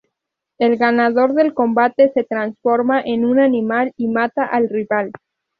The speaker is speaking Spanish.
El ganador del combate se transforma en un animal y mata al rival.